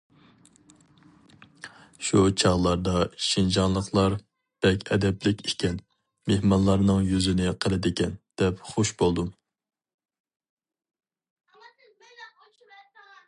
شۇ چاغلاردا، شىنجاڭلىقلار بەك ئەدەپلىك ئىكەن، مېھمانلارنىڭ يۈزىنى قىلىدىكەن، دەپ خۇش بولدۇم.